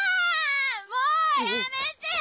もうやめて！